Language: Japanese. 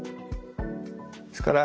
ですから